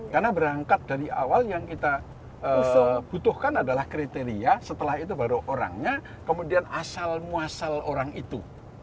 karena berangkat dari awal yang kita butuhkan adalah kriteria setelah itu baru orangnya kemudian asal muasal orang itu